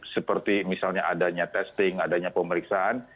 seperti misalnya adanya testing adanya pemeriksaan